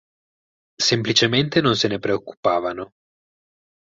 Semplicemente non se ne preoccupavano.